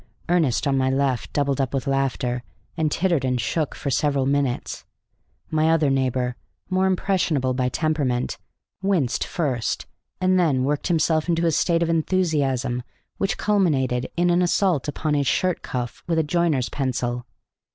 Ernest, on my left, doubled up with laughter, and tittered and shook for several minutes. My other neighbor, more impressionable by temperament, winced first, and then worked himself into a state of enthusiasm which culminated in an assault upon his shirt cuff with a joiner's pencil.